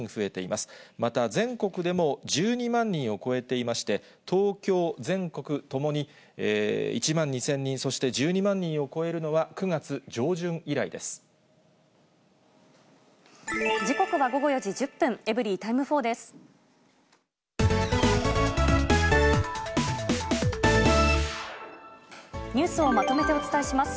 また全国でも１２万人を超えていまして、東京、全国ともに１万２０００人、そして１２万人を超えるのは、時刻は午後４時１０分、エブリィタイム４です。